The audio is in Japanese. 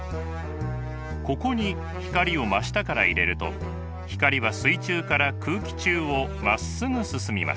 ここに光を真下から入れると光は水中から空気中をまっすぐ進みます。